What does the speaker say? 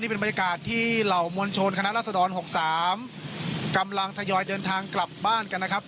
เป็นบรรยากาศที่เหล่ามวลชนคณะรัศดร๖๓กำลังทยอยเดินทางกลับบ้านกันนะครับ